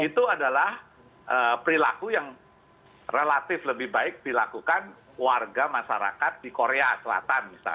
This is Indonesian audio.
itu adalah perilaku yang relatif lebih baik dilakukan warga masyarakat di korea selatan